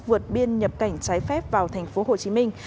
vượt biên nhập cảnh trái phép vào thành phố hồ chí minh